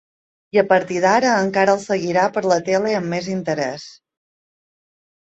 I a partir d'ara encara el seguirà per la tele amb més interès.